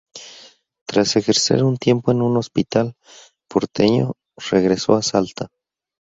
Tras ejercer un tiempo en un hospital porteño, regresó a Salta.